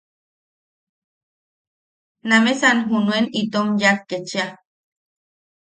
Nameʼesan junuen itom yaak kechia.